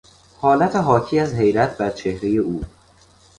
حالت حاکی از حیرت بر چهرهی او